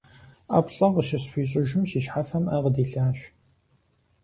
ӀэплӀэ къыщысхуищӀыжым, си щхьэфэм Ӏэ къыдилъащ.